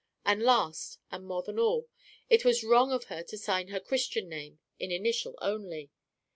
And last, and more than all, it was wrong of her to sign her Christian name in initial only.